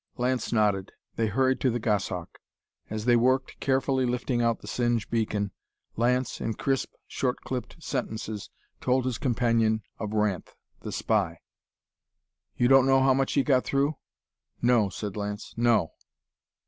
Lance nodded. They hurried to the Goshawk. As they worked, carefully lifting out the Singe beacon, Lance, in crisp, short clipped sentences, told his companion of Ranth, the spy. "You don't know how much he got through?" "No," said Lance. "No."